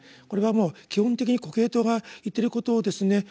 これはもう基本的にコヘレトが言ってることをですね